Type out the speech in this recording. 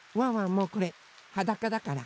もうこれはだかだから。